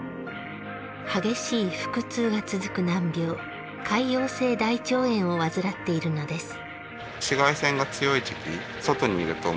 激しい腹痛が続く難病潰瘍性大腸炎を患っているのです。